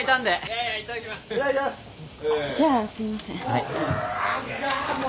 はい。